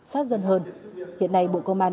sát dân hơn hiện nay bộ công an